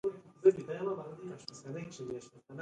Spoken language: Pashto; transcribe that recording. د ارزګان په چوره کې کوم کان دی؟